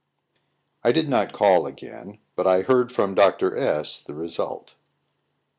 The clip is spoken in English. I did not call again, but I heard from Dr. S the result.